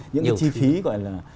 những cái chi phí gọi là